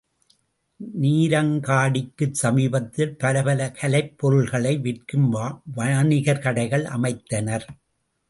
நீரங்காடிக்குச் சமீபத்தில் பலபல கலைப் பொருள்களை விற்கும் வாணிகர் கடைகள் அமைத்தனர்.